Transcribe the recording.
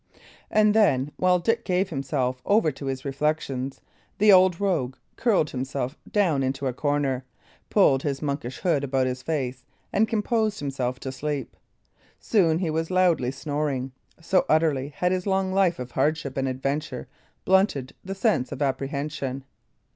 And then, while Dick gave himself over to his reflections, the old rogue curled himself down into a corner, pulled his monkish hood about his face, and composed himself to sleep. Soon he was loudly snoring, so utterly had his long life of hardship and adventure blunted the sense of apprehension.